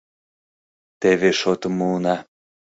Теве шотым муына.